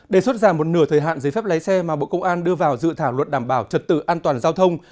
đề xuất giảm một nửa thời hạn giấy phép lái xe mà bộ công an đưa vào dự thảo luật đảm bảo trật tự an toàn giao thông